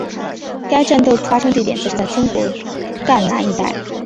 该战斗发生地点则是在中国赣南一带。